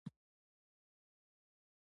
دا طریقه ډېره خواري غواړي.